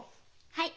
はい。